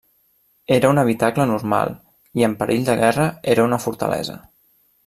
Era un habitacle normal i, en perill de guerra, era una fortalesa.